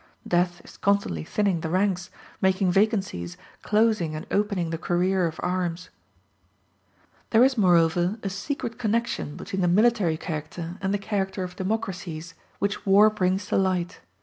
Death is constantly thinning the ranks, making vacancies, closing and opening the career of arms. There is moreover a secret connection between the military character and the character of democracies, which war brings to light.